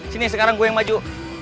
sini sekarang gue yang maju